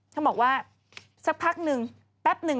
จะบอกว่าสักพักหนึ่งแป๊บหนึ่ง